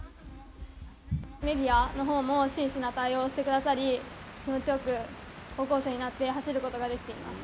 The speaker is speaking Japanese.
メディアのほうも真摯な対応をしてくださり、気持ちよく高校生になって走ることができています。